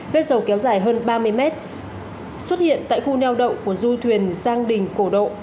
vết dầu kéo dài hơn ba mươi mét xuất hiện tại khu neo đậu của du thuyền giang đình cổ độ